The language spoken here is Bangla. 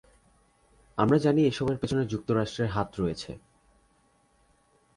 আমরা জানি এসবের পেছনে যুক্তরাষ্ট্রের হাত রয়েছে!